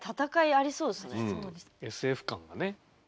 ＳＦ感がね。